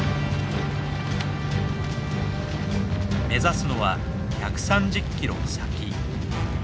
目指すのは１３０キロ先。